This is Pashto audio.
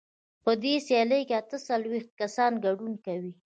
په دې سیالۍ کې اته څلوېښت کسان ګډون کوي.